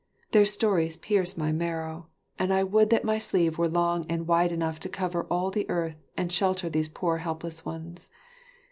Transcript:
Their stories pierce my marrow, and I would that my sleeve were long and wide enough to cover all the earth and shelter these poor helpless ones.